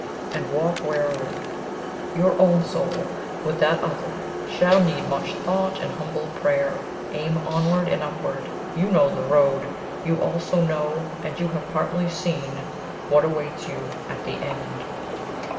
And walk warily your own soul with that other shall need much thought and humble prayer. Aim onward and upward you know the road you also know, and you have partly seen, what awaits you at the end."